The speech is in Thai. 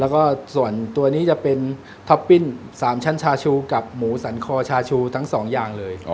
แล้วก็ส่วนตัวนี้จะเป็นท็อปปิ้น๓ชั้นชาชูกับหมูสันคอชาชูทั้ง๒อย่างเลย